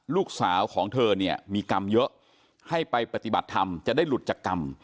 ลูกสาวของเธอเนี่ยมีกรรมเยอะให้ไปปฏิบัติธรรมจะได้หลุดจากกรรม